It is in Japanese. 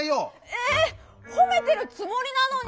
ええ⁉ほめてるつもりなのに！